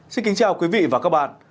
xin kính chào quý vị và các bạn